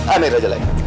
amir aja lah ya